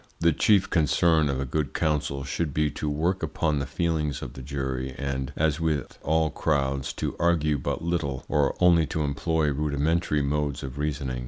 The chief concern of a good counsel should be to work upon the feelings of the jury, and, as with all crowds, to argue but little, or only to employ rudimentary modes of reasoning.